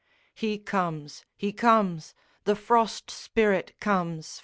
He comes, he comes, the Frost Spirit comes!